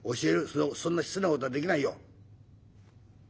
そんな失礼な事はできないよ」。